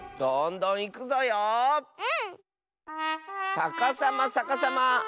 さかさまさかさま。